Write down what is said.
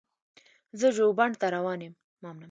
زه ژوبڼ ته روان یم.